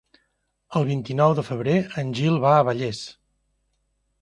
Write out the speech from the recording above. El vint-i-nou de febrer en Gil va a Vallés.